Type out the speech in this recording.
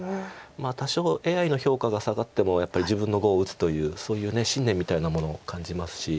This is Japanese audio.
多少ＡＩの評価が下がってもやっぱり自分の碁を打つというそういう信念みたいなものを感じますし。